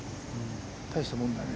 大したもんだね。